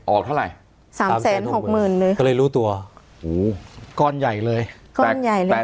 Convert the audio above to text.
ออกเท่าไหร่สามแสนหกหมื่นเลยก็เลยรู้ตัวหูก้อนใหญ่เลยก้อนใหญ่เลย